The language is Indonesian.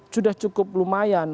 sudah cukup lumayan